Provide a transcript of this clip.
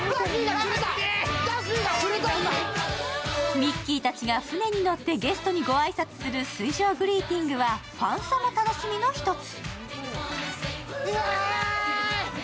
ミッキーたちが船に乗ってゲストにご挨拶する水上グリーティングは、ファンサも楽しみの１つ。